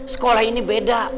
sekolah ini beda